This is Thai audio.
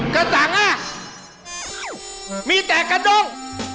กระสังมีแต่กระดง